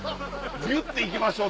ビュって行きましょう！